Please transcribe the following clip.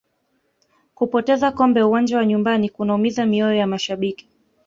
kupoteza kombe uwanja wa nyumbani kunaumiza mioyo ya mashabiki